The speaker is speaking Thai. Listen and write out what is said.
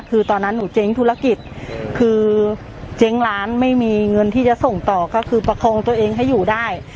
คือตอนนั้นหนูเจ๊งธุรกิจคือเจ๊งร้านไม่มีเงินที่จะส่งต่อก็คือประคองตัวเองให้อยู่ได้